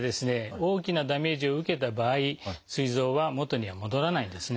大きなダメージを受けた場合すい臓は元には戻らないんですね。